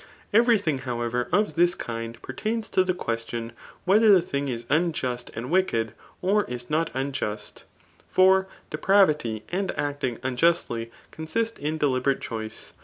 Every thing, howevert of this kind pertains to the ^tt«dui whether the thing ia unjust and wicked, or is not unjust ; for depravity and acting unjustly consist m ddibeiate choice.